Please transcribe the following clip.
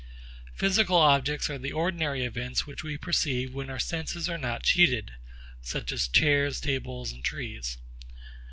Physical objects are the ordinary objects which we perceive when our senses are not cheated, such as chairs, tables and trees.